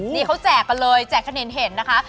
นี่เขาแจกกันเลยแจกคะแนนเห็นนะคะ